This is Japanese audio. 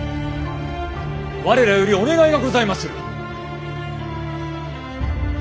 我らよりお願いがございまする。